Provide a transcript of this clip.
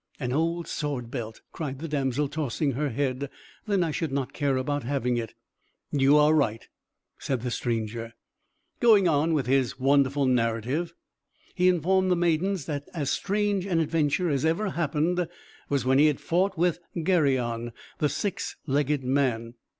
"An old sword belt!" cried the damsel, tossing her head. "Then I should not care about having it!" "You are right," said the stranger. Going on with his wonderful narrative, he informed the maidens that as strange an adventure as ever happened was when he fought with Geryon, the six legged man.